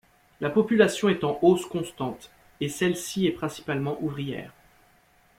La population est en hausse constante et celle-ci est principalement ouvrière.